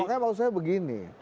makanya maksud saya begini